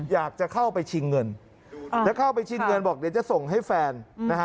อยากจะเข้าไปชิงเงินแล้วเข้าไปชิงเงินบอกเดี๋ยวจะส่งให้แฟนนะฮะ